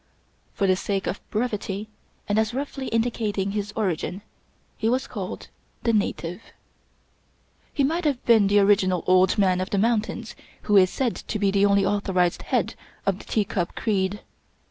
For the sake of brevity, and as roughly indicating his origin, he was called " The Native." He might have been the original Old Man of the Moun tains, who is said to be the only authorized head of the Tea cup Creed.